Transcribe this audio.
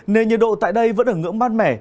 nên nhiệt độ tại đây vẫn ở ngưỡng mát mẻ